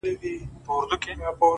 راځه رحچيږه بيا په قهر راته جام دی پير؛